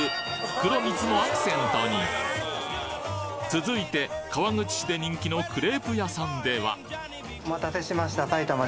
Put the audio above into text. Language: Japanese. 黒蜜もアクセントに続いて川口市で人気のクレープ屋さんではお待たせしました。